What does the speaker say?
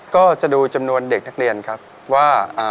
ก็จะดูจำนวนเด็กนักเรียนครับว่า